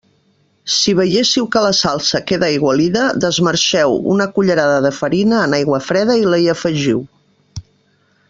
Si veiéssiu que la salsa queda aigualida, desmarxeu una cullerada de farina en aigua freda i la hi afegiu.